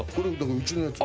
うちのやつ。